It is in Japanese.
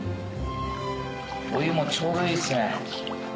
お湯もちょうどいいっすね。